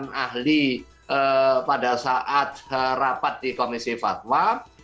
dengan ahli pada saat rapat di komisi fatwa